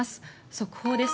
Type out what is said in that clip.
速報です。